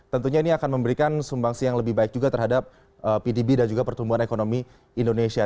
tentunya ini akan memberikan sumbangsi yang lebih baik juga terhadap pdb dan juga pertumbuhan ekonomi indonesia